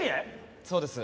そうです。